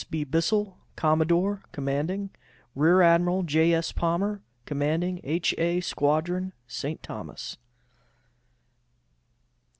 B. BISSELL, Commodore Commanding. Rear Admiral J. S. Palmer, commanding H. A. Squadron, St. Thomas.